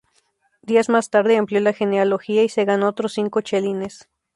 Días más tarde amplió la genealogía y se ganó otros cinco chelines.